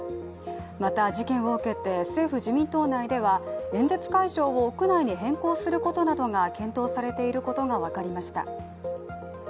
また事件を受けて政府・自民党内では演説会場を屋内に変更することなどが検討されていることが分かりました。